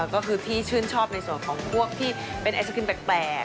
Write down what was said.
ก็คือพี่ชื่นชอบในส่วนของพวกที่เป็นไอศครีมแปลก